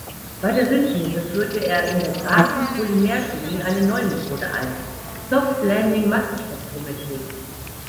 Bei der Synthese führte er in der Graphen-Polymerchemie eine neue Methode ein: Soft-landing Massenspektrometrie.